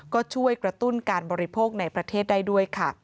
ก็ช่วยกระตุ้นการบริโภคในประเทศได้ด้วยค่ะ